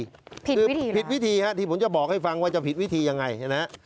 ผิดวิธีหรอคือผิดวิธีครับที่ผมจะบอกให้ฟังว่าจะผิดวิธียังไงนะครับ